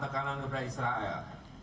penguatan tekanan kepada israel